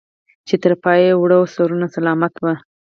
چې تر پايه وړو سرونه سلامت هم